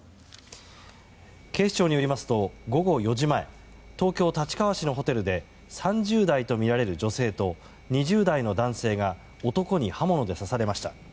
警視庁によりますと午後４時前東京・立川市のホテルで３０代とみられる女性と２０代の男性が男に刃物で刺されました。